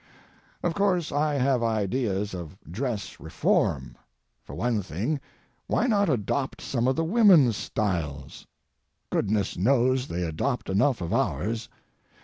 Of course, I have ideas of dress reform. For one thing, why not adopt some of the women's styles? Goodness knows, they adopt enough of ours.